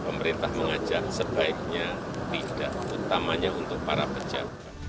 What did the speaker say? pemerintah mengajak sebaiknya tidak utamanya untuk para pejabat